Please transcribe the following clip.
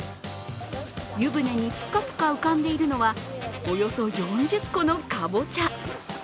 湯船にぷかぷか浮かんでいるのはおよそ４０個のかぼちゃ。